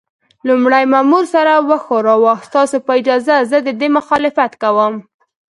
لومړي مامور سر وښوراوه: ستاسو په اجازه، زه د دې مخالفت کوم.